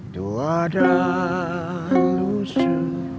dua dan lusa